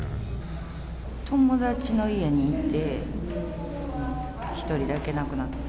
友達の家にいて、１人だけ亡くなって。